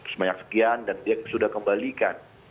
sebanyak sekian dan dia sudah kembalikan